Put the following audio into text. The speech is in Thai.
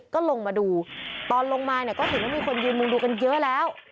ก็ลงมาดูตอนลงมาเนี่ยก็เห็นว่ามีคนยืนมุงดูกันเยอะแล้ว